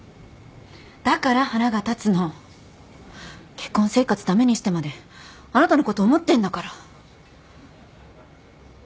結婚生活駄目にしてまであなたのこと思ってんだから。